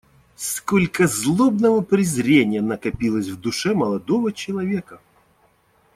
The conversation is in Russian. Cтолько злобного презрения накопилось в душе молодого человека.